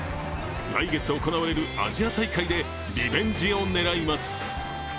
来月行われるアジア大会でリベンジを狙います